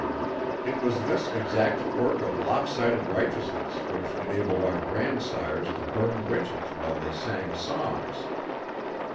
It was this exact quirk of lopsided righteousness which enabled our grandsires to burn witches while they sang psalms."